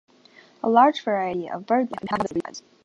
A large variety of birdlife inhabits the reedbeds.